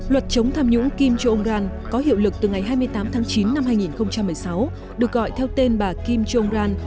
luật chống tham nhũng kim jong un có hiệu lực từ ngày hai mươi tám tháng chín năm hai nghìn một mươi sáu được gọi theo tên bà kim jong un